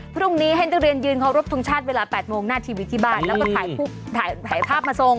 พรุ่งนี้ให้นักเรียนยืนเคารพทงชาติเวลา๘โมงหน้าทีวีที่บ้านแล้วก็ถ่ายภาพมาทรง